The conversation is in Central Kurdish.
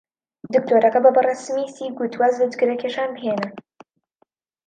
دکتۆرەکە بە بەڕێز سمیسی گوت واز لە جگەرەکێشان بهێنێت.